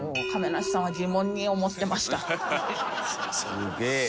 すげえや。